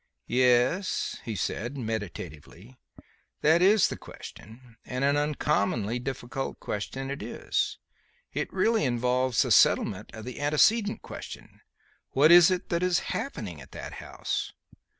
"Yes," he said, meditatively, "that is the question; and an uncommonly difficult question it is. It really involves the settlement of the antecedent question: What is it that is happening at that house?"